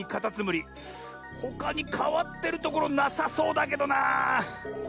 ほかにかわってるところなさそうだけどな。